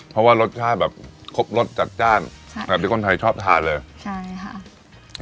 เพราะว่ารสชาติแบบครบรสจัดจ้านใช่แบบที่คนไทยชอบทานเลยใช่ค่ะ